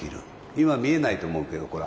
今見えないと思うけどほら。